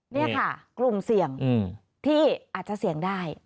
นี่ค่ะกลุ่มเสี่ยงที่อาจจะเสี่ยงได้